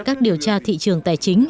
các điều tra thị trường tài chính